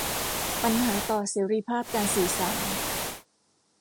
ปัญหาต่อเสรีภาพการสื่อสาร